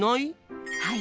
はい。